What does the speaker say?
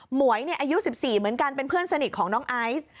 หมวยเนี้ยอายุสิบสี่เหมือนกันเป็นเพื่อนสนิทของน้องไอซ